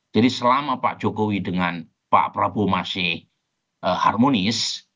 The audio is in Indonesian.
jadi selama pak jokowi dengan pak prabowo masih harmonis